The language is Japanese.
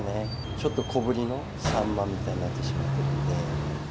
ちょっと小ぶりのサンマみたいになってしまっているんで。